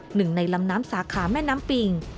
หนึ่งในลำน้ำสาขาแม่น้ำปิง